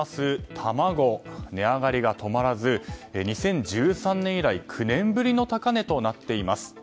卵値上がりが止まらず２０１３年以来９年ぶりの高値となっています。